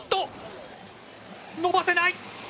伸ばせない！